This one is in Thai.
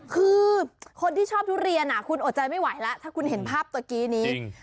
คือคนที่ชอบทุเรียนคุณอดใจไม่ไหวแล้วถ้าคุณเห็นภาพเมื่อกี้นี้